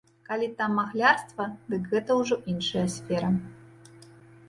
Калі там махлярства, дык гэта ўжо іншая сфера.